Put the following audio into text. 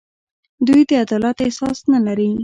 دوی د عدالت احساس نه لري.